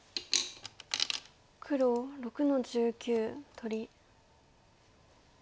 黒６の十九取り。